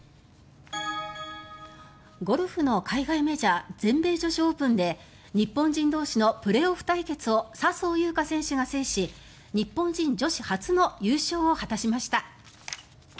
ゴルフの海外メジャー全米女子オープンで日本人同士のプレーオフ対決を笹生優花選手が制し日本人女子初の優勝を果たしました。